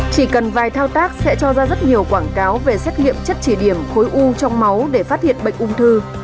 chỉ cần vài thao tác sẽ cho ra rất nhiều quảng cáo về xét nghiệm chất chỉ điểm khối u trong máu để phát hiện bệnh ung thư